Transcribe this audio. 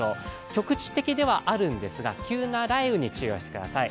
局地的ではあるんですが急な雷雨に注意してください。